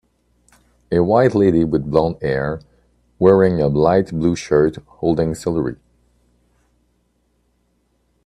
A white lady with blondhair wearing a light blue shirt holding celery.